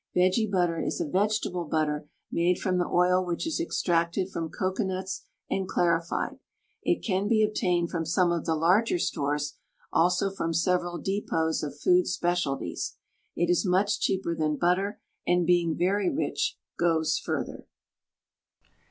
Vege butter is a vegetable butter, made from the oil which is extracted from cocoanuts and clarified. It can be obtained from some of the larger stores, also from several depôts of food specialities. It is much cheaper than butter, and being very rich, goes further.